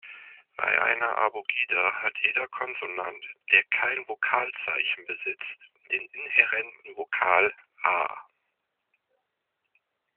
Bei einer Abugida hat jeder Konsonant, der kein Vokalzeichen besitzt, den inhärenten Vokal "a".